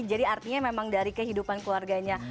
jadi artinya memang dari kehidupan keluarganya